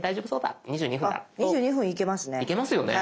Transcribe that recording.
あっ２２分いけますね。